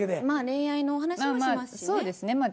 まあ恋愛のお話もしますしね。